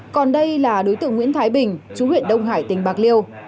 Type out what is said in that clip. còn đây là đối tượng nguyễn thái bình chú huyện đông hải tỉnh bạc liêu